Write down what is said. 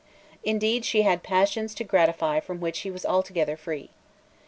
Indeed she had passions to gratify from which he was altogether free.